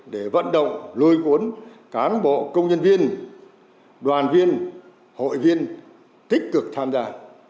để vận động lôi cuốn cán bộ công nhân viên đoàn viên hội viên tích cực tham gia